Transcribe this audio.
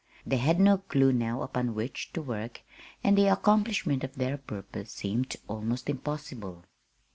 They had no clew now upon which to work, and the accomplishment of their purpose seemed almost impossible.